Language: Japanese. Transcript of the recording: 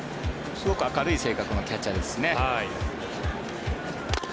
明るい性格のキャッチャーですね。